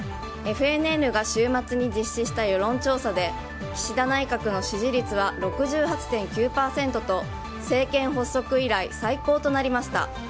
ＦＮＮが週末に実施した世論調査で岸田内閣の支持率は６８．９％と政権発足以来、最高となりました。